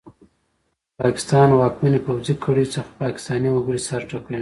پر پاکستان واکمنې پوځي کړۍ څخه پاکستاني وګړي سر ټکوي!